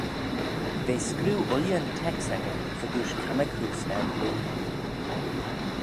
V'eh screeu ooilley'n teks echey fegooish cammag heose erbee.